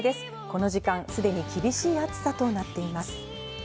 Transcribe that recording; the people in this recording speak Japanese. この時間、すでに厳しい暑さとなっています。